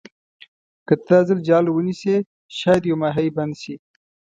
که ته دا ځل جال ونیسې شاید یو ماهي بند شي.